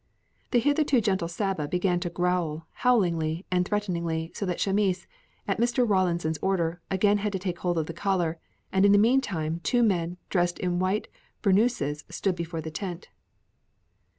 The hitherto gentle Saba began to growl hollowly and threateningly so that Chamis, at Mr. Rawlinson's order, again had to take hold of the collar, and in the meantime two men dressed in white burnooses stood before the tent.